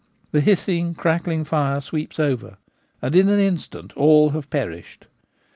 The hissing, crackling fire sweeps over, and in an instant all have perished.